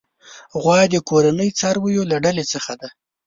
غوا د کورني څارويو له ډلې څخه ده.